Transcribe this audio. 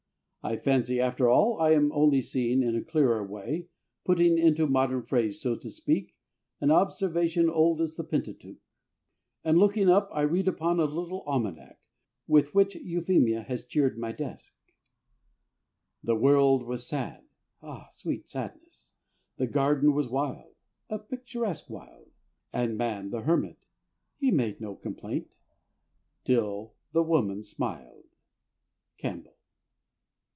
I fancy, after all, I am only seeing in a clearer way, putting into modern phrase, so to speak, an observation old as the Pentateuch. And looking up I read upon a little almanac with which Euphemia has cheered my desk: "The world was sad" (sweet sadness!) "The garden was a wild" (a picturesque wild) "And man the hermit" (he made no complaint) "Till the woman smiled." CAMPBELL.